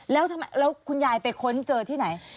แล้วทำไมแล้วคุณยายไปค้นเจอที่ไหน